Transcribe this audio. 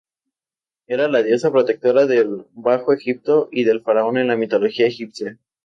Era la diosa protectora del Bajo Egipto y del faraón en la mitología egipcia.